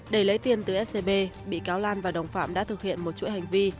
để lấy tiền từ scb bị cáo lan và đồng phạm đã thực hiện một chuỗi hành vi